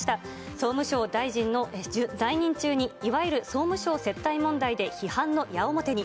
総務省大臣の在任中に、いわゆる総務省接待問題で批判の矢面に。